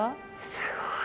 すごい。